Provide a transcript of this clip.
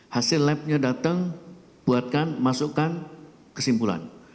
hasil labnya datang buatkan masukkan kesimpulan